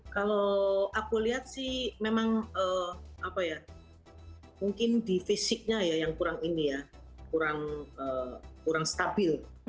kalau aku lihat sih memang apa ya mungkin di fisiknya ya yang kurang ini ya kurang stabil